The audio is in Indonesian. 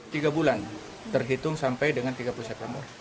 tiga bulan terhitung sampai dengan tiga puluh september